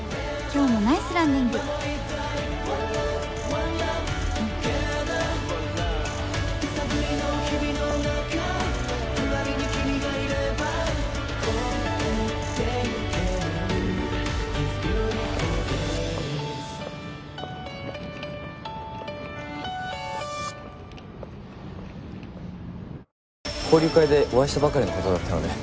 「今日もナイスランディング」交流会でお会いしたばかりの方だったので。